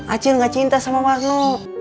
acil enggak cinta sama warno